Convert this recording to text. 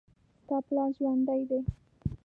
ستا پلار ژوندي دي